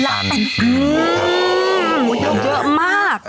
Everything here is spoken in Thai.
เยอะเยอะมาก